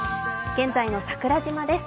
現在の桜島です。